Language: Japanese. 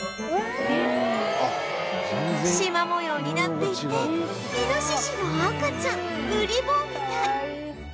しま模様になっていてイノシシの赤ちゃんうり坊みたい